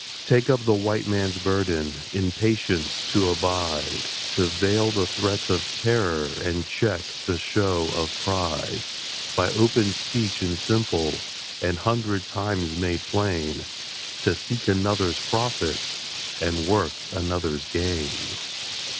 Take up the White Man's burden In patience to abide, To veil the threat of terror And check the show of pride; By open speech and simple, An hundred times made plain, To seek another's profit, And work another's gain.